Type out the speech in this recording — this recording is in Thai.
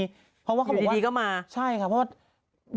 เพราะว่าเขาบอกบางทีก็มาใช่ค่ะเพราะว่า